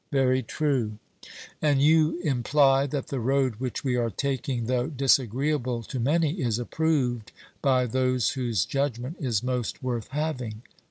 Very true. And you imply that the road which we are taking, though disagreeable to many, is approved by those whose judgment is most worth having.